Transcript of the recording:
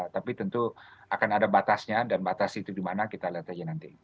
tapi tentu akan ada batasnya dan batas itu dimana kita lihat aja nanti